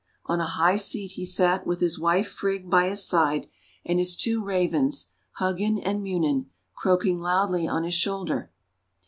On a high seat he sat, with his wife Frigg by his side, and his two Ravens, Hugin and Munin, croaking loudly on his shoulder.